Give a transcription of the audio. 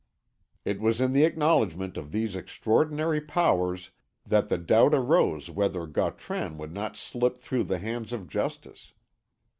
It was in the acknowledgment of these extraordinary powers that the doubt arose whether Gautran would not slip through the hands of justice.